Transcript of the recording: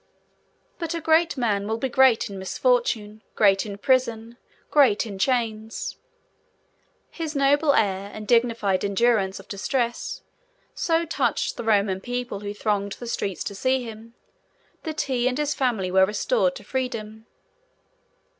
But a great man will be great in misfortune, great in prison, great in chains. His noble air, and dignified endurance of distress, so touched the Roman people who thronged the streets to see him, that he and his family were restored to freedom.